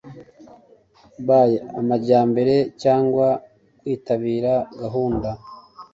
by amajyambere cyangwa kwitabira gahunda